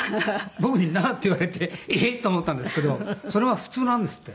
僕に「なあ？」って言われてえっ？と思ったんですけどそれは普通なんですって。